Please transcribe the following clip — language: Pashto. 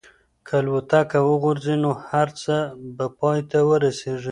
که الوتکه وغورځي نو هر څه به پای ته ورسېږي.